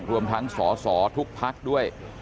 รวมทั้งสอสอทุกพักด้วย